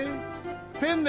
ペンネ！